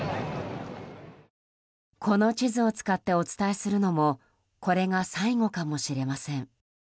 この地図を使ってお伝えするのもこれが最後かもしれません。